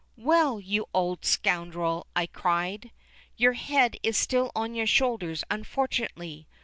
"Well, you old scoundrel," I cried, "your head is still on your shoulders unfortunately.